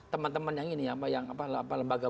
teman teman yang ini yang apa lembaga